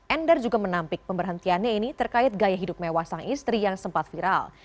endar juga menampik pemberhentiannya ini terkait gaya hidup mewah sang istri yang sempat viral